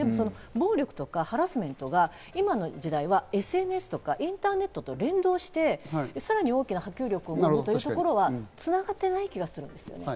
暴力とかハラスメントが今の時代はＳＮＳとかインターネットと連動して、さらに大きな波及力を生むというところは繋がっていない気がします。